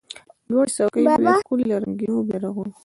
لوړي څوکي به وي ښکلي له رنګینو بیرغونو